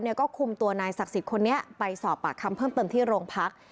ก็คุมตัวนายศักดิ์สิทธิ์คนนี้ไปสอบปากคำเพิ่มเติมที่โรงพัก